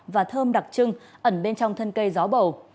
và thơm đặc trưng ẩn bên trong thân cây gió bầu